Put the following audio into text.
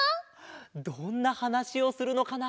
どんなはなしをするのかな？